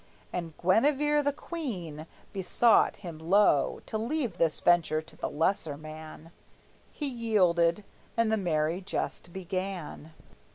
And Guinevere, the queen, besought him low To leave this venture to the lesser man. He yielded, and the merry jest began.